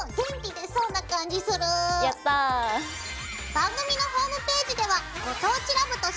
番組のホームページでは「ご当地ＬＯＶＥ」として。